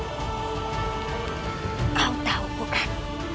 kau tahu bukan